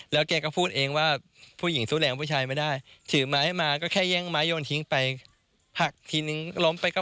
แล้วก็ฆาตกรรมแล้วหนีไปนี่นะคะ